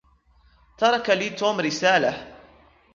ترك لي توم رسالة.